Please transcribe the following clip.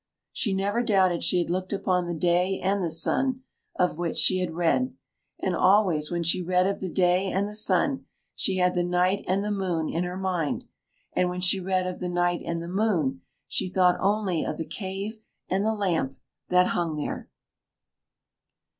She never doubted she had looked upon the day and the sun, of which she had read; and always when she read of the day and the sun, she had the night and the moon in her mind; and when she read of the night and the moon, she thought only of the cave and the lamp that hung there.